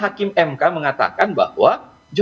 ya melekatkan bansos pada